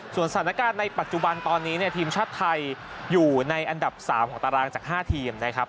สถานการณ์ในปัจจุบันตอนนี้เนี่ยทีมชาติไทยอยู่ในอันดับ๓ของตารางจาก๕ทีมนะครับ